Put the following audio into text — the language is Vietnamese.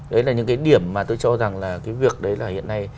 đấy là những cái điểm mà tôi cho rằng là cái việc đấy là hiện nay